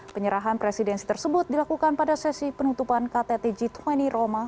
penyerahan presidensi tersebut dilakukan pada sesi penutupan ktt g dua puluh roma